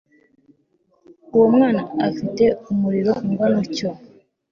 uwo mwana afite umuriro ungana utyo